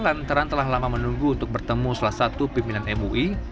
lantaran telah lama menunggu untuk bertemu salah satu pimpinan mui